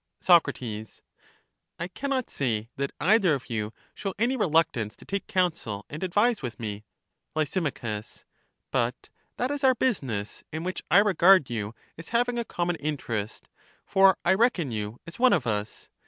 Soc, I can not say that either of you show any re luctance to take counsel and advise with me. Lys. But that is our business, in which I regard you as having a common interest; for I reckon you as one of us.